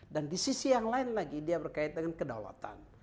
dan di sisi yang lain lagi dia berkaitan dengan kedaulatan